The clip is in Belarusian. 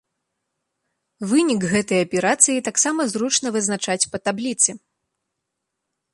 Вынік гэтай аперацыі таксама зручна вызначаць па табліцы.